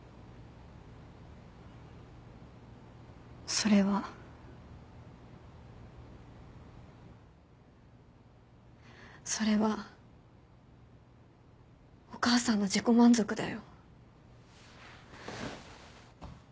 それは。それはお母さんの自己満足だよ。